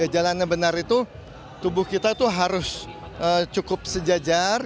jalan yang benar itu tubuh kita itu harus cukup sejajar